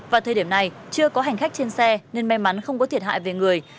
vào thời điểm này chưa có hành khách trên xe nên may mắn không có thiệt hại về người